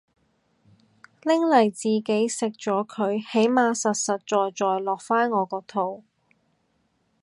拎嚟自己食咗佢起碼實實在在落返我個肚